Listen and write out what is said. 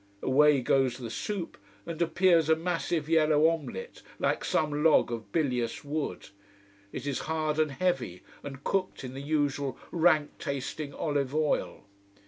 Away goes the soup and appears a massive yellow omelette, like some log of bilious wood. It is hard, and heavy, and cooked in the usual rank tasting olive oil.